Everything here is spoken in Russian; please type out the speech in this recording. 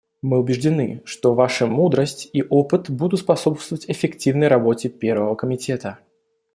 Мы убеждены, что Ваши мудрость и опыт будут способствовать эффективной работе Первого комитета.